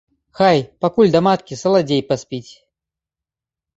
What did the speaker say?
Хай, пакуль да маткі, саладзей паспіць!